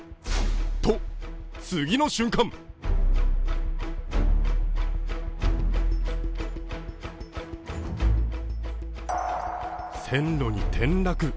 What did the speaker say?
と、次の瞬間線路に転落。